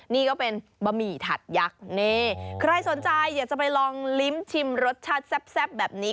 นี่ก็เป็นบะหมี่ถัดยักษ์นี่ใครสนใจอยากจะไปลองลิ้มชิมรสชาติแซ่บแบบนี้